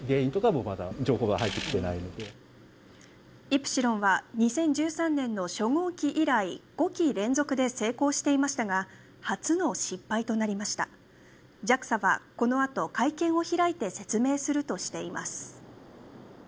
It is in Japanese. イプシロンは２０１３年の初号機以来５機連続で成功していましたが初の失敗となりましたＪＡＸＡはこのあと会見を開いて説明するとしています